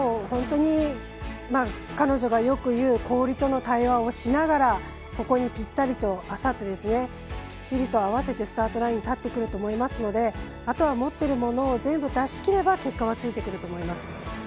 本当に、彼女がよく言う氷との対話をしながらここにぴったりとあさってですねきっちりと合わせてスタートラインに立ってくると思いますのであとは持ってるものを全部出しきれば結果はついてくると思います。